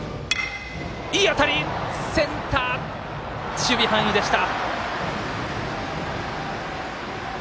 センターの守備範囲でした。